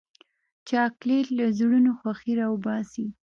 چاکلېټ له زړونو خوښي راوباسي.